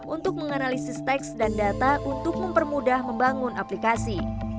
untuk menganalisis teks dan data untuk mempermudah membangun aplikasi